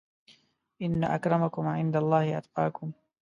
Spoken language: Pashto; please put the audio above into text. ان اکرمکم عندالله اتقاکم